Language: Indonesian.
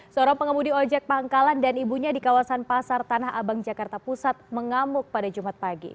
seorang pengemudi ojek pangkalan dan ibunya di kawasan pasar tanah abang jakarta pusat mengamuk pada jumat pagi